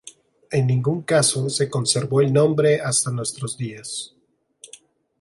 En ningún caso se conservó el nombre hasta nuestros días.